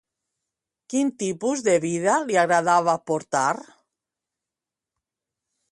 Quin tipus de vida li agradava portar?